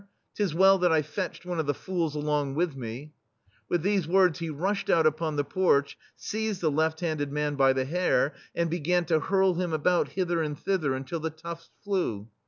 *Tis well that I fetched one of the fools along with me/' With these words, he rushed out upon the porch, seized the left handed man by the hair, and began to hurl him about hither and thither, until the tufts flew.